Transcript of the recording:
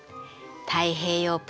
太平洋